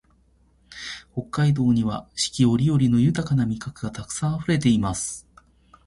北海道には四季折々の豊な味覚がたくさんあふれています